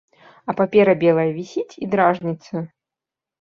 А папера белая вісіць і дражніцца.